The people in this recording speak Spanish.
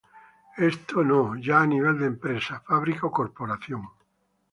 Esto no ya a nivel de empresa, fábrica o corporación.